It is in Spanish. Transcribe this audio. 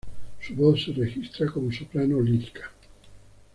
Su voz se registra como soprano lírica.